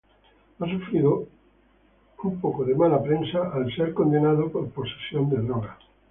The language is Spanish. He sufrió un poco de mala prensa por ser condenado por posesión de drogas.